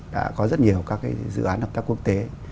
đã có rất nhiều các dự án hợp tác quốc tế